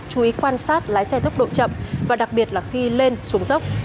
chú ý quan sát lái xe tốc độ chậm và đặc biệt là khi lên xuống dốc